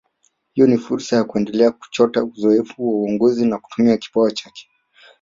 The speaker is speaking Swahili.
Hiyo ni fursa ya kuendelea kuchota uzoefu wa uongozi na kutumia kipawa chake